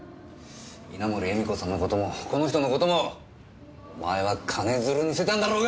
稲盛絵美子さんの事もこの人の事もお前は金づるにしてたんだろうが！